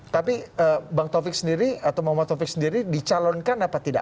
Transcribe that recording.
tapi bang taufik sendiri atau muhammad taufik sendiri dicalonkan apa tidak